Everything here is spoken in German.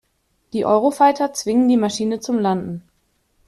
Die Eurofighter zwingen die Maschine zum Landen.